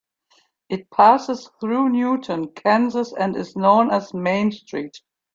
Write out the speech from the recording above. It passes through Newton, Kansas and is known as Main Street.